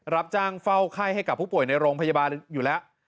รับจ้างเฝ้าไข้ให้กับผู้ป่วยในโรงพยาบาลอยู่แล้ว